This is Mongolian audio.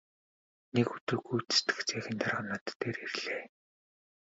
Нэг өдөр гүйцэтгэх цехийн дарга над дээр ирлээ.